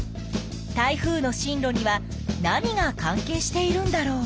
台風の進路には何が関係しているんだろう？